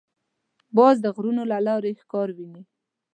باز د غرونو له لیرې ښکار ویني